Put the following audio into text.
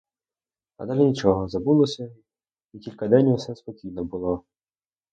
А далі нічого, забулося, і кілька день усе спокійно було.